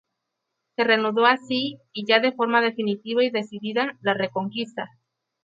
Se reanudó así, y ya de forma definitiva y decidida, la Reconquista.